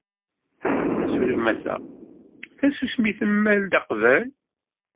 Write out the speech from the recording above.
S umata, tasusmi temmal-d aqbal.